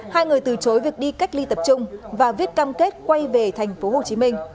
hai người từ chối việc đi cách ly tập trung và viết cam kết quay về tp hcm